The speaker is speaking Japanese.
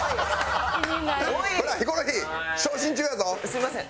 すみません。